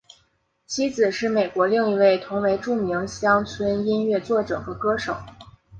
妻子是美国另一位同为著名乡村音乐作者和歌手。